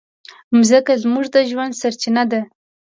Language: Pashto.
مځکه زموږ د ژوند سرچینه ده.